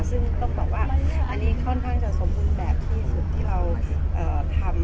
ซึ่งต้องบอกว่าอันนี้ค่อนข้างจะสมบูรณ์แบบที่สุดที่เราทำ